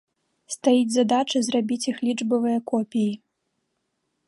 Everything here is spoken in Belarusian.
Стаіць задача зрабіць іх лічбавыя копіі.